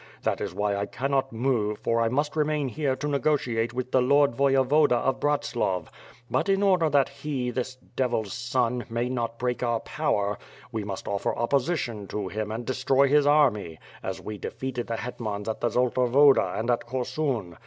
That is why I cannot move for I must remain here to negotiate with the Ijord Voyevoda of Bratslav. But in order that he, this devil's son, may not break our power, we must offer opposition to him and destroy his army, as we defeated the hetmans at the Zolta Woda and at Korsun.